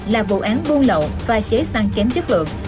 là vụ án buôn lậu pha chế xăng kém chất lượng